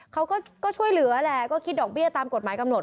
เขาก็ช่วยเหลือแหละก็คิดดอกเบี้ยตามกฎหมายกำหนด